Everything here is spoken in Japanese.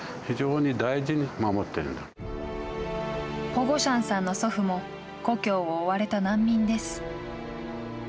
ポゴシャンさんの祖父も故郷を追われた難民です。